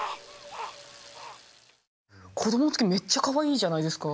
子どもの時めっちゃかわいいじゃないですか。